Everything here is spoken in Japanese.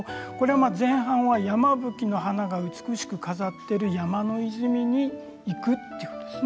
前半はヤマブキの花が美しく飾っている山の泉に行くということなんです。